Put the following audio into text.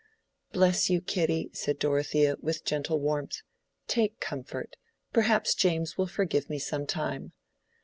"Bless you, Kitty," said Dorothea, with gentle warmth. "Take comfort: perhaps James will forgive me some time."